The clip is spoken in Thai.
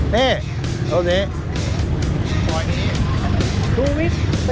นี่ตรงนี้